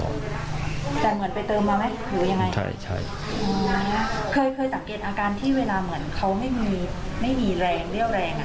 เคยสังเกตอาการที่เวลาเหมือนเขาไม่มีแรงเรี่ยวแรง